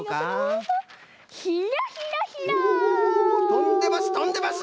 とんでますとんでます！